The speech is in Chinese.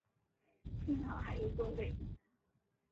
幸好还有座位